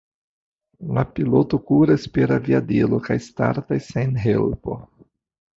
La piloto kuras per aviadilo kaj startas sen helpo.